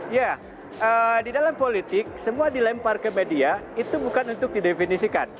ya di dalam politik semua dilempar ke media itu bukan untuk didefinisikan